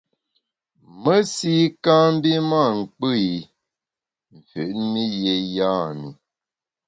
Mesi kâ mbi mâ nkpù i, mfüt mi yé yam’i.